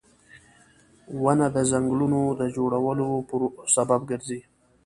• ونه د ځنګلونو د جوړولو سبب ګرځي